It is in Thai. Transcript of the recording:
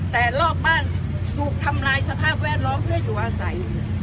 แต่รอบบ้านถูกทำลายสภาพแวดล้อมเพื่ออยู่อาศัย